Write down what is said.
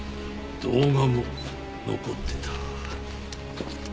動画も残ってた。